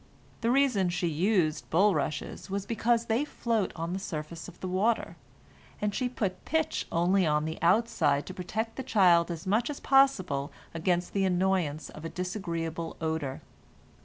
The reason she used bulrushes was because they float on the surface of the water, and she put pitch only on the outside, to protect the child as much as possible against the annoyance of a disagreeable odor.